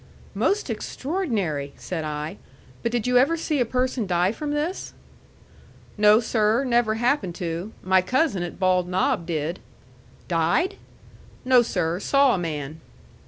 "Most extraordinary!" said I. "But did you ever see a person die from this?" "No, sir. Never happened to. My cousin at Bald Knob did." "Died?" "No, sir. Saw a man."